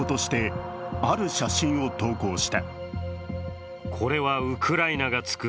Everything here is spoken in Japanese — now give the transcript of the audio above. ある写真を投稿した。